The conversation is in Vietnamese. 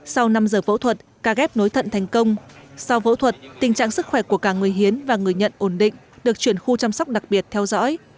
sau năm giờ phẫu thuật ca ghép nối thận thành công sau phẫu thuật tình trạng sức khỏe của cả người hiến và người nhận ổn định được chuyển khu chăm sóc đặc biệt theo dõi